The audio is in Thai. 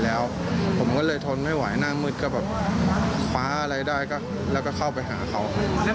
แล้วก็เข้าไปหาเขา